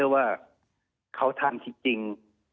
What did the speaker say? ว่าเขาทำจริง